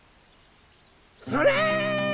それ！